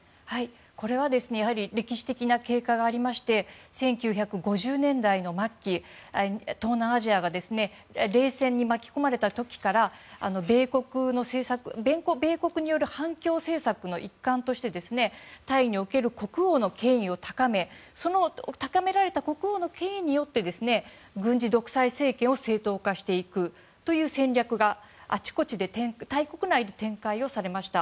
これは歴史的な経過がありまして１９５０年代末期、東南アジアが冷戦に巻き込まれた時から米国による反共政策の一環としてタイにおける国王の権威を高めその高められた国王の権威によって軍事独裁政権を正当化していくという戦略がタイ国内のあちこちで展開されました。